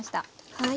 はい。